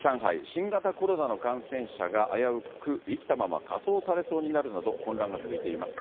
新型コロナの感染者が危うく生きたまま火葬されそうになるなど、混乱が続いています。